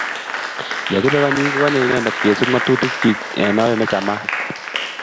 Yekibe kot nyi, kokanye Inendet kesub ngatutik chik eng oret nechamat